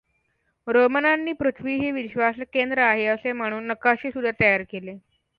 रोमनांनी पृथ्वी हे विश्वाचे केंद्र आहे असे मानून नकाशेसुद्धा तयार केले.